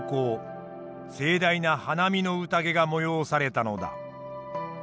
盛大な花見の宴が催されたのだ。